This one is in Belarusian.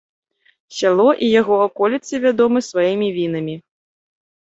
Сяло і яго аколіцы вядомы сваімі вінамі.